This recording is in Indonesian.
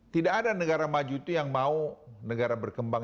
tidak ada negara maju itu yang mau negara berkembang